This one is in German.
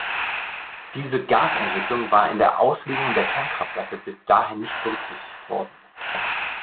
Diese Gasentwicklung war in der Auslegung der Kernkraftwerke bis dahin nicht berücksichtigt worden.